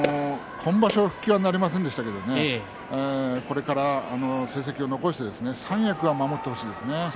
今場所復帰はなりませんでしたけれどもこれから成績を残してですね三役を守ってほしいですね。